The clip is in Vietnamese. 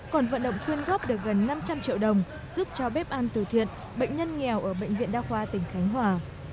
còn vận động quyên góp được gần năm trăm linh triệu đồng giúp cho bếp ăn từ thiện bệnh nhân nghèo ở bệnh viện đa khoa tỉnh khánh hòa